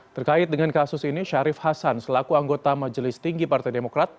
terkait dengan kasus ini syarif hasan selaku anggota majelis tinggi partai demokrat